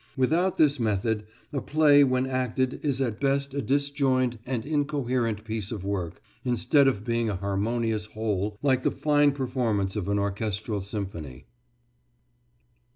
Without this method a play when acted is at best a disjoined and incoherent piece of work, instead of being a harmonious whole like the fine performance of an orchestral symphony.